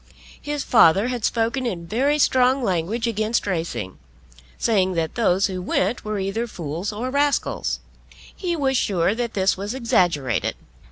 His father had spoken in very strong language against racing, saying that those who went were either fools or rascals. He was sure that this was exaggerated.